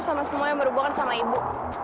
sama semua yang berhubungan sama ibu